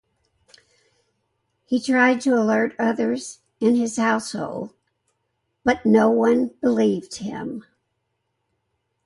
He tried to alert others in his household, but no one believed him.